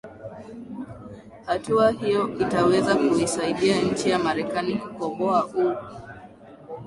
hatua hiyo itaweza kuisaidia nchi ya marekani kukoboa u